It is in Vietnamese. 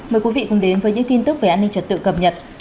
mời quý vị cùng đến với những tin tức về an ninh trật tự cập nhật